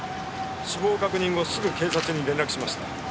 死亡確認後すぐ警察に連絡しました。